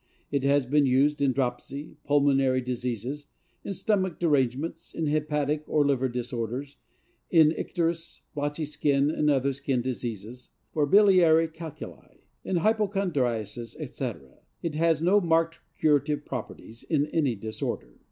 It has been used in dropsy, pulmonary diseases, in stomach derangements, in hepatic or liver disorders, in icterus, blotchy skin and other skin diseases, for biliary calculi, in hypochondriasis, etc. It has no marked curative properties in any disorder.